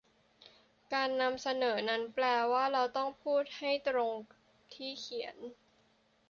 การนำเสนอนั้นแปลว่าเราต้องพูดให้ตรงกับที่เขียน